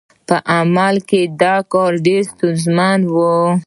په عمل کې دا کار ډېر ستونزمن و.